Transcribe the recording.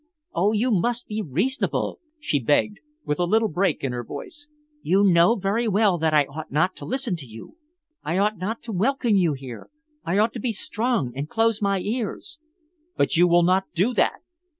"Oh, you must be reasonable," she begged, with a little break in her voice. "You know very well that I ought not to listen to you. I ought not to welcome you here. I ought to be strong and close my ears." "But you will not do that!"